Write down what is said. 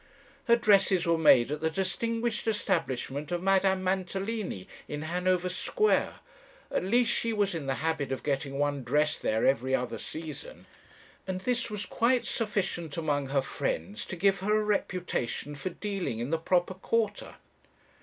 "Her dresses were made at the distinguished establishment of Madame Mantalini, in Hanover Square; at least she was in the habit of getting one dress there every other season, and this was quite sufficient among her friends to give her a reputation for dealing in the proper quarter.